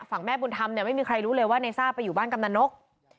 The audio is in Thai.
แม่บุญธรรมเนี่ยไม่มีใครรู้เลยว่าในซ่าไปอยู่บ้านกำนันนก